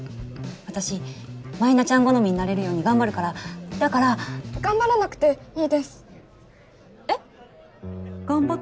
私舞菜ちゃん好みになれるように頑張るからだから頑張らなくていいですえっ？